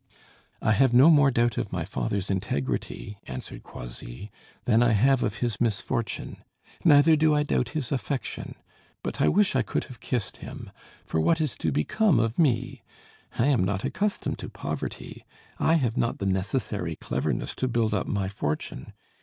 "I have no more doubt of my father's integrity," answered Croisilles, "than I have of his misfortune. Neither do I doubt his affection. But I wish I could have kissed him, for what is to become of me? I am not accustomed to poverty, I have not the necessary cleverness to build up my fortune.